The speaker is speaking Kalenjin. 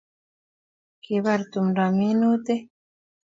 Kibar tumdo minutik